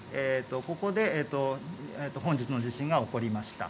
ここで本日の地震が起こりました。